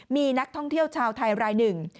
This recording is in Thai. มีนักท่องเที่ยวชาวไทยรายหนึ่ง